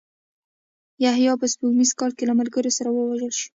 یحیی په سپوږمیز کال کې له ملګرو سره ووژل شو.